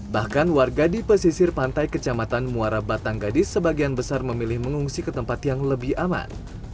bahkan warga di pesisir pantai kecamatan muara batang gadis sebagian besar memilih mengungsi ke tempat yang lebih aman